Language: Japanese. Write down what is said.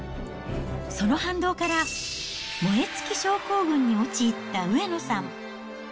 その反動から燃え尽き症候群に陥った上野さん。